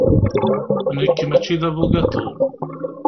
Nekk, mačči d abugaṭu.